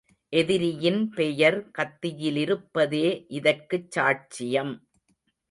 எதிரியின் பெயர் கத்தியிலிருப்பதே இதற்குச் சாட்சியம்.